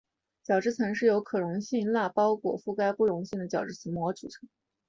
角质层是由可溶性蜡包裹覆盖不溶性的角质膜组成。